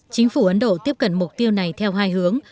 chính phủ ấn độ tiếp cận mục tiêu này theo hai hướng